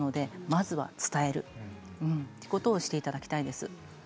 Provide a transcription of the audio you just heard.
まずは伝えるということをしていただきたいんです。